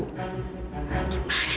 gimana sih itu anak